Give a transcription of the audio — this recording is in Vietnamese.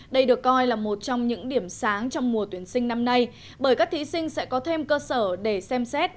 đây được coi là một trong những điểm sáng trong mùa tuyển sinh năm nay bởi các thí sinh sẽ có thêm cơ sở để xem xét